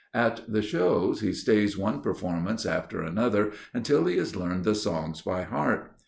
At the shows he stays one performance after another until he has learned the songs by heart.